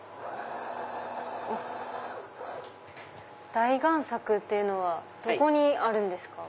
大贋作っていうのはどこにあるんですか？